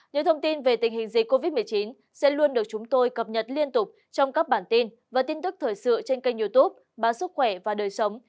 những thông tin về tình hình dịch covid một mươi chín sẽ luôn được chúng tôi cập nhật liên tục trong các bản tin và tin tức thời sự trên kênh youtube báo sức khỏe và đời sống